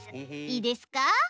いいですか？